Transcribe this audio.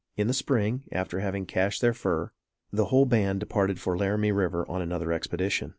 In the Spring, after having cached their fur, the whole band departed for Laramie River on another expedition.